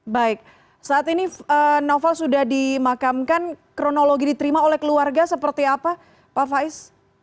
baik saat ini noval sudah dimakamkan kronologi diterima oleh keluarga seperti apa pak faiz